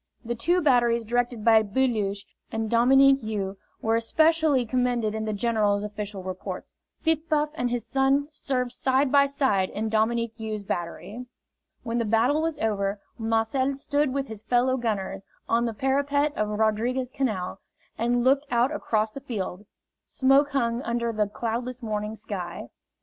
The two batteries directed by Beluche and Dominique You were especially commended in the general's official reports. Piff Paff and his son served side by side in Dominique You's battery. When the battle was over, Marcel stood with his fellow gunners on the parapet of Rodriguez Canal and looked out across the field smoke hung under the cloudless morning sky.